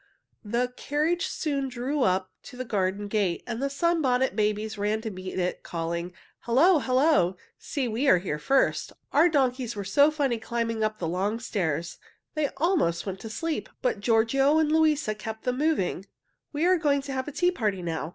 The carriage soon drew up to the garden gate, and the Sunbonnet Babies ran to meet it, calling: "Hello! hello! See, we are here first! Our donkeys were so funny climbing up the long stairs. They almost went to sleep, but Giorgio and Luisa kept them moving. We are going to have a tea party now.